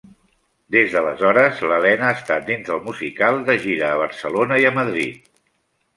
Des d'aleshores, l'Elena ha estat dins del musical, de gira a Barcelona i a Madrid.